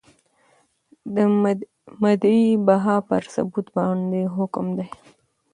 د مدعی بها پر ثبوت باندي حکم دی ؟